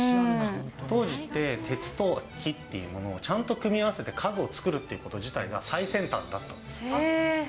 当時って、鉄と木っていうものをちゃんと組み合わせて家具を作るっていうこそうなんですね。